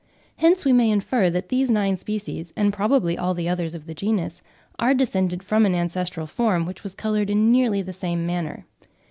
Hence we may infer that these nine species, and probably all the others of the genus, are descended from an ancestral form which was coloured in nearly the same manner.